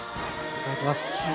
いただきます。